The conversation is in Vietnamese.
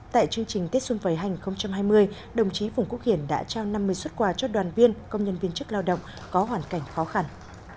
tại chương trình tết xuân vầy hành hai mươi đồng chí phùng quốc hiển đã trao năm mươi xuất quà cho đoàn viên công nhân viên chức lao động có hoàn cảnh khó khăn